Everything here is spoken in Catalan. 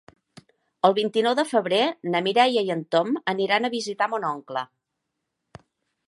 El vint-i-nou de febrer na Mireia i en Tom aniran a visitar mon oncle.